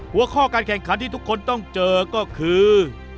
หัวข้อการแข่งขันที่ทุกคนต้องเจอก็คือ